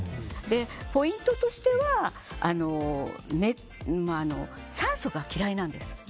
ポイントとしては酸素が嫌いなんです。